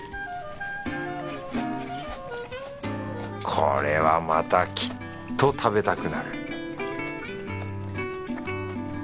これはまたきっと食べたくなる